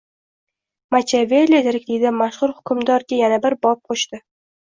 Machiavelli tirikligida mashhur "Hukmdor" ga yana bir bob qo'shdi